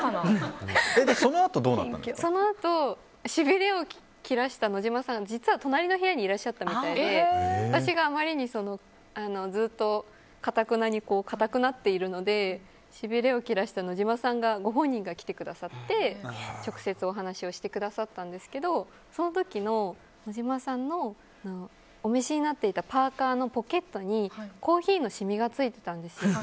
そのあとしびれを切らした野島伸司さんは実は隣の部屋にいらっしゃったみたいで私があまりにずっとかたくなにかたくなっているのでしびれを切らした野島さんご本人が来てくださって直接お話をしてくださったんですけどその時の野島さんのお召しになっていたパーカのポケットにコーヒーの染みがついてたんですよ。